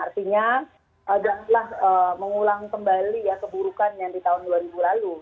artinya janganlah mengulang kembali ya keburukan yang di tahun dua ribu lalu